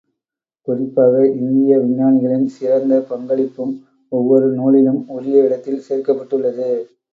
குறிப்பாக, இந்திய விஞ்ஞானிகளின் சிறந்த பங்களிப்பும் ஒவ்வொரு நூலிலும் உரிய இடத்தில் சேர்க்கப்பட்டுள்ளது.